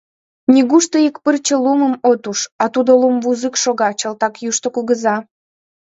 — Нигушто ик пырче лумым от уж, а Тудо лум вузык шога — чылтак Йӱштӧ кугыза!